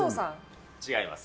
違います。